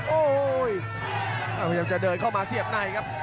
โอ้โหพยายามจะเดินเข้ามาเสียบในครับ